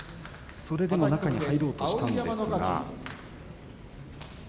それでも中に入ろうとしたんですが。